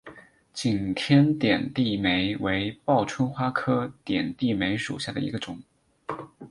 景天点地梅为报春花科点地梅属下的一个种。